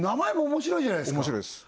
面白いです